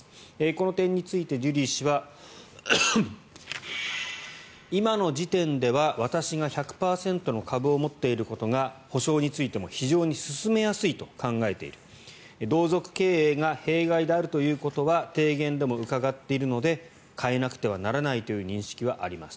この点についてジュリー氏は今の時点では私が１００％の株を持っていることが補償についても非常に進めやすいと考えている同族経営が弊害であるということは提言でも伺っているので変えなくてはならないという認識はあります